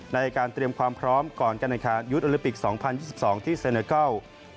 ในการเตรียมความพร้อมก่อนการแข่งขันยุทธ์โอลิปิก๒๐๒๒ที่เซเนอร์เกิล